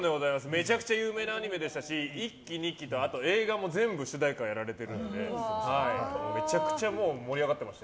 めちゃくちゃ有名なアニメでしたし１期、２期と映画も全て主題歌をやられていたのでめちゃくちゃ盛り上がってます。